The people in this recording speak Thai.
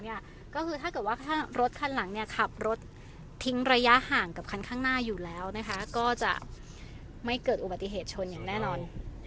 ก็คือถ้าเกิดว่าถ้ารถคันหลังเนี่ยขับรถทิ้งระยะห่างกับคันข้างหน้าอยู่แล้วนะคะก็จะไม่เกิดอุบัติเหตุชนอย่างแน่นอน